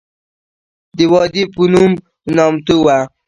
د وادي پنوم نامتو وه.